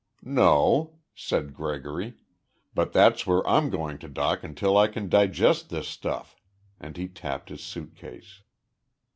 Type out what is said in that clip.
"No," said Gregory, "but that's where I'm going to dock until I can digest this stuff," and he tapped his suit case.